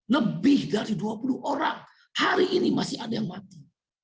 lebih dari dua puluh orang hari ini masih ada yang mati